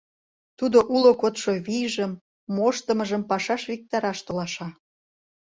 Тудо уло кодшо вийжым, моштымыжым пашаш виктараш толаша.